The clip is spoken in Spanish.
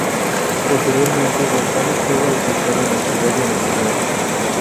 Posteriormente Gonzalo fue bautizado en la ciudad de nacimiento.